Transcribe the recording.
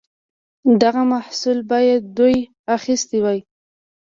دغه محصول باید دوی اخیستی وای.